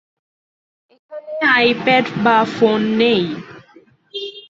এখানে আইপ্যাড বা ফোন নেই।